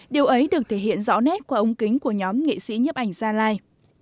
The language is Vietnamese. điều ấy được thể hiện rõ nét qua ống kính của nhóm nghệ sĩ nhiếp ảnh gia lai